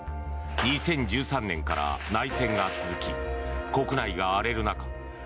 ２０１３年から内戦が続き国内が荒れる中